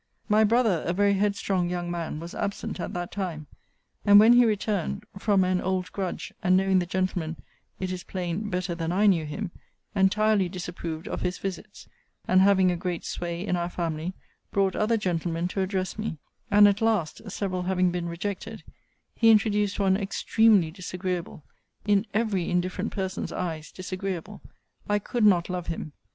My brother, a very headstrong young man, was absent at that time; and, when he returned, (from an old grudge, and knowing the gentleman, it is plain, better than I knew him) entirely disapproved of his visits: and, having a great sway in our family, brought other gentlemen to address me: and at last (several having been rejected) he introduced one extremely disagreeable: in every indifferent person's eyes disagreeable. I could not love him.